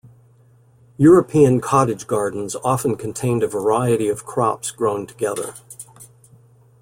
European cottage gardens often contained a variety of crops grown together.